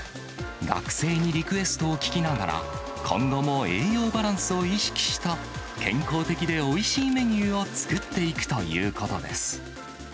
学生にリクエストを聞きながら、今後も栄養バランスを意識した、健康的でおいしいメニューを作っていくということです。